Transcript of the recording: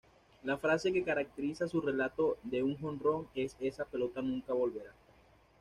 La frase que caracteriza su relato de un jonrón es "esa pelota nunca volverá".